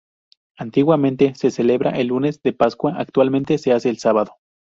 Antiguamente se celebraba el lunes de Pascua, actualmente se hace el sábado.